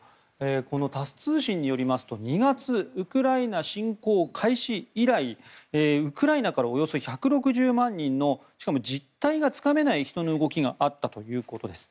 このタス通信によりますと２月、ウクライナ侵攻開始以来ウクライナからおよそ１６０万人のしかも実態のつかめない人の動きがあったということです。